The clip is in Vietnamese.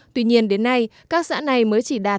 tuy nhiên đến nay các xã này mới chỉ đạt